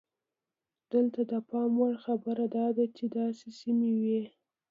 دلته د پام وړ خبره دا ده چې داسې سیمې وې.